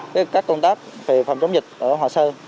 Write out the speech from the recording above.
các công tác về phòng chống dịch ở hòa sơn